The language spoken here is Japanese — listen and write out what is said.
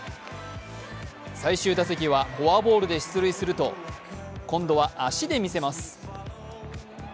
最終打席はフォアボールで出塁すると、今度は足で見せます。